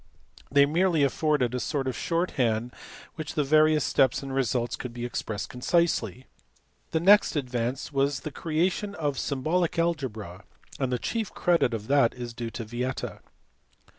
They merely afforded a sort of short hand by which the various steps and results could be expressed concisely. The next advance was the creation of symbolic algebra, and the chief credit of that is due to Vieta.